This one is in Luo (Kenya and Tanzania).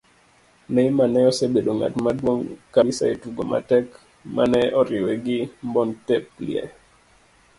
Neymar ne osebedo ng'at maduog' kabisa e tugo matek mane oriwe gi Montpellier